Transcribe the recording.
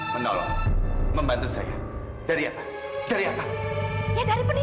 kok bisa begini